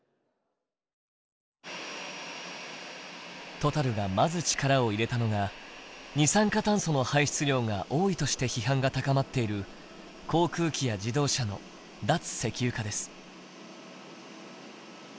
トタルがまず力を入れたのが二酸化炭素の排出量が多いとして批判が高まっている航空機や自動車の脱石油化です。